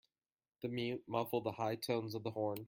The mute muffled the high tones of the horn.